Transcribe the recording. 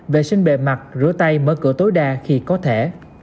vệ sinh bề mặt rửa tay mở cửa tối đa khi có thể